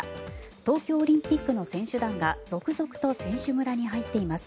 東京オリンピックの選手団が続々と選手村に入っています。